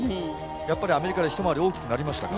アメリカでひと回り大きくなりましたか。